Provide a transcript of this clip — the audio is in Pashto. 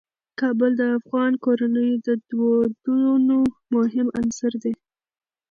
کابل د افغان کورنیو د دودونو مهم عنصر دی.